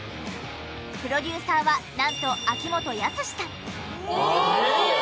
プロデューサーはなんと秋元康さん。